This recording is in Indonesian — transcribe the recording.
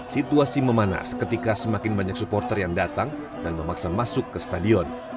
situasi memanas ketika semakin banyak supporter yang datang dan memaksa masuk ke stadion